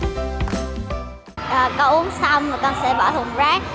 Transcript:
con uống xong rồi con sẽ bỏ thùng rác